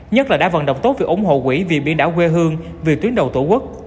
nhất là đã vận động tốt việc ủng hộ quỹ vì biển đảo quê hương vì tuyến đầu tổ quốc